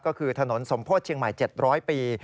ก็คือถนนสมโพธิเชียงใหม่๗๐๐ปี